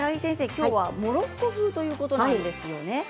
きょうはモロッコ風ということですよね